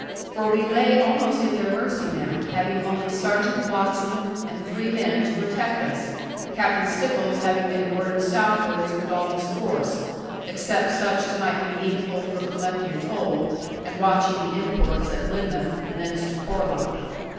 For we lay almost at their mercy now, having only Sergeant Bloxham, and three men, to protect us, Captain Stickles having been ordered southwards with all his force; except such as might be needful for collecting toll, and watching the imports at Lynmouth, and thence to Porlock.